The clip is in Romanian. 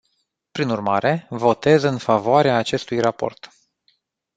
Prin urmare, votez în favoarea acestui raport.